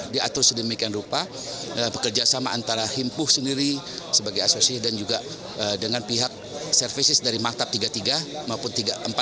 diatur sedemikian rupa kerjasama antara himpuh sendiri sebagai asosiasi dan juga dengan pihak services dari maktab tiga puluh tiga maupun tiga ratus empat puluh